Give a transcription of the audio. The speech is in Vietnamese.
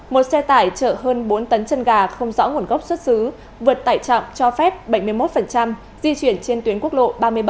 một xe tải chở hơn bốn tấn chân gà không rõ nguồn gốc xuất xứ vượt tải trọng cho phép bảy mươi một di chuyển trên tuyến quốc lộ ba mươi bảy